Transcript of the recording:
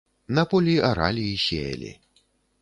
На полі аралі і сеялі.